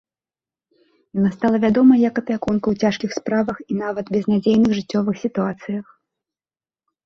Яна стала вядомай як апякунка ў цяжкіх справах і нават безнадзейных жыццёвых сітуацыях.